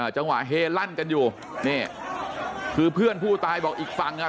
จังหวะเฮลั่นกันอยู่นี่คือเพื่อนผู้ตายบอกอีกฝั่งอ่ะ